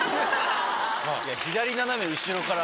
左斜め後ろから。